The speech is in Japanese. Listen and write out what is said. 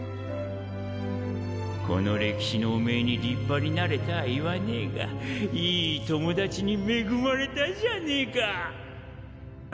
この歴史のおめぇに立派になれとは言わねえがいい友達に恵まれたじゃねえか。